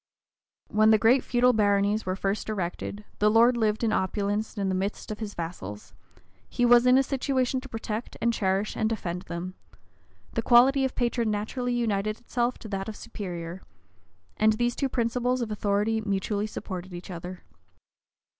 When the great feudal baronies were first erected, the lord lived in opulence in the midst of his vassals: he was in a situation to protect, and cherish and defend them: the quality of patron naturally united itself to that of superior: and these two principles of authority mutually supported each other.